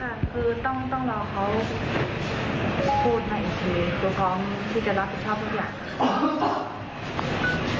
ไม่ได้ติดอะไร